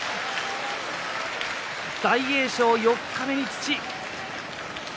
大栄翔、四日目に土です。